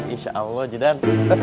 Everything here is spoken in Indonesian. insya allah jidan